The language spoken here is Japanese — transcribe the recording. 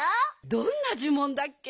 どんなじゅもんだっけ？